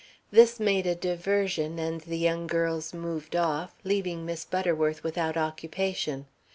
This made a diversion, and the young girls moved off, leaving Miss Butterworth without occupation.